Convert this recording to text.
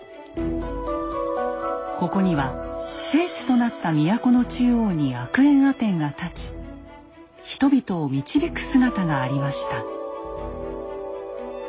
ここには聖地となった都の中央にアクエンアテンが立ち人々を導く姿がありました。